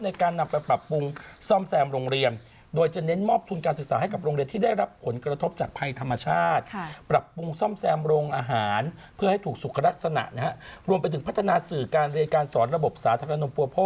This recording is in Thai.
ในการนำไปปรับปรุงซ่อมแซมโรงเรียน